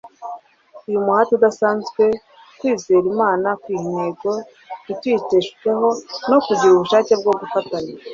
uyu muhati udusaba kwizera imana, kwiha intego ntituyiteshukeho, no kugira ubushake bwo gufatanya